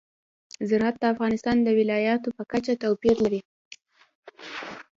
زراعت د افغانستان د ولایاتو په کچه توپیر لري.